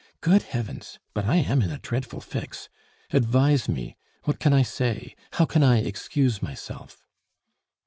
Good Heavens! But I am in a dreadful fix. Advise me. What can I say? How can I excuse myself?"